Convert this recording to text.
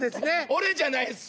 俺じゃないです